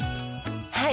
はい。